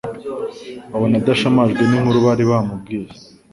Babona adashamajwe n’inkuru bari bamubwiye,